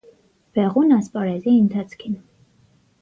Բեղուն ասպարէզի ընթացքին։